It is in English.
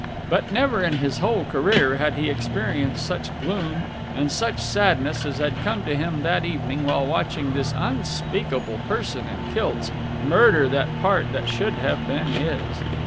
But never in his whole career had he experienced such gloom and such sadness as had come to him that evening while watching this unspeakable person in kilts murder that part that should have been his.